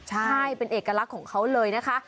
ใช่เป็นเอกลักษณ์ของเขาเลยนะคะ